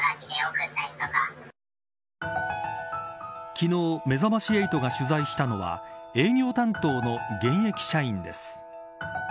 昨日、めざまし８が取材したのは営業担当の現役社員です。